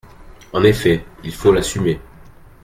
En effet ! Il faut l’assumer.